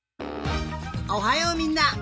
おはようみんな！